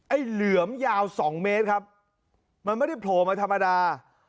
เหลือมยาวสองเมตรครับมันไม่ได้โผล่มาธรรมดา